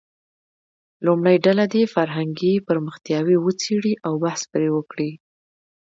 لومړۍ ډله دې فرهنګي پرمختیاوې وڅېړي او بحث پرې وکړي.